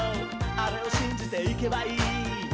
あれをしんじていけばいい」